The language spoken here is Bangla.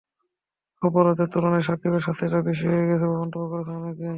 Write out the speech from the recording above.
অপরাধের তুলনায় সাকিবের শাস্তিটা বেশি হয়ে গেছে বলে মন্তব্য করেছেন অনেকেই।